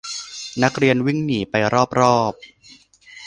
นักเรียนวิ่งหนีไปรอบรอบ